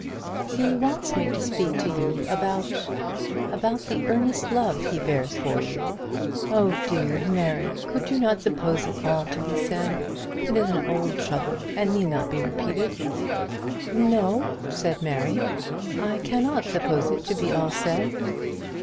"He wants me to speak to you about about the earnest love he bears for you." "Oh dear! Mary; could you not suppose it all to be said? It is an old trouble, and need not be repeated." "No," said Mary, "I cannot suppose it to be all said."